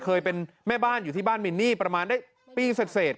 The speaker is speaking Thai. เคยเป็นแม่บ้านอยู่ที่บ้านมินนี่ประมาณได้ปีเสร็จ